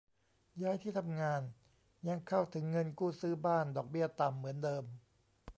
ย้ายที่ทำงาน ยังเข้าถึงเงินกู้ซื้อบ้านดอกเบี้ยต่ำเหมือนเดิม